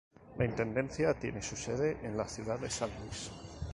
La intendencia tiene su sede en la ciudad de San Luis.